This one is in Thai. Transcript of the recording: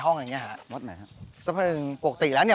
ชื่องนี้ชื่องนี้ชื่องนี้ชื่องนี้ชื่องนี้ชื่องนี้